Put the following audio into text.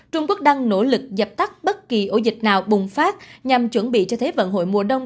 trung quốc đang nỗ lực dập tắt bất kỳ ổ dịch nào bùng phát nhằm chuẩn bị cho thế vận hội mùa đông